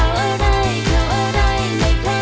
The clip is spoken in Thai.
โปรดติดตามต่อไป